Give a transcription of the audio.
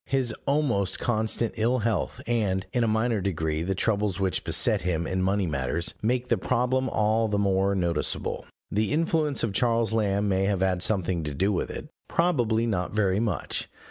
His almost constant ill health, and, in a minor degree, the troubles which beset him in money matters, make the problem all the more noticeable. The influence of Charles Lamb may have had something to do with it, probably not very much.